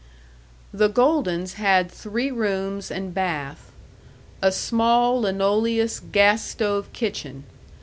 The Goldens had three rooms and bath. A small linoleous gas stove kitchen.